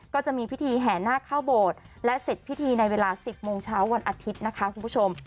ก็จะมีพิธีแห่นาคเข้าโบสถ์และเสร็จพิธีในเวลา๑๐โมงเช้าวันอาทิตย์นะคะคุณผู้ชม